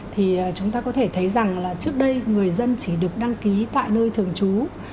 thì chúng ta có thể thấy rằng là trước đây người dân chỉ được đăng ký tại nơi thường trú